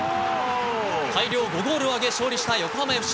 大量５ゴールを挙げ勝利した横浜ＦＣ。